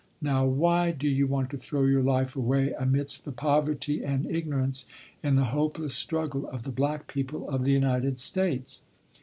Now, why do you want to throw your life away amidst the poverty and ignorance, in the hopeless struggle, of the black people of the United States?